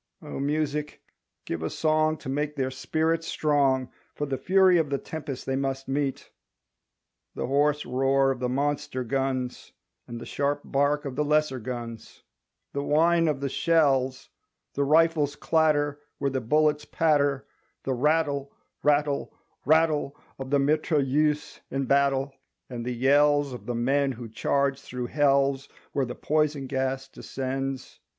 O Music give a song To make their spirit strong For the fury of the tempest they must meet. The hoarse roar Of the monster guns; And the sharp bark Of the lesser guns; The whine of the shells, The rifles' clatter Where the bullets patter, The rattle, rattle, rattle Of the mitrailleuse in battle, And the yells Of the men who charge through hells Where the poison gas descends.